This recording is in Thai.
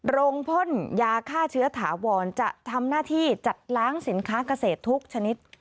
พ่นยาฆ่าเชื้อถาวรจะทำหน้าที่จัดล้างสินค้าเกษตรทุกชนิด